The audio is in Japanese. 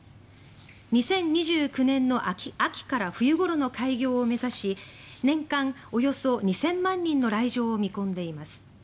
２０２９年の秋から冬ごろの開業を目指し年間およそ２０００万人の来場を見込んでいます。